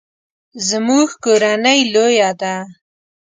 زموږ کورنۍ لویه ده